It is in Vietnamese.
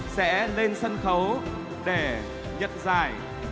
sẽ lên sân khấu để nhận giải